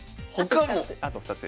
あと２つ。